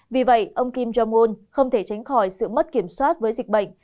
vì vậy ông kim jong un không thể tránh khỏi sự mất kiểm soát với dịch bệnh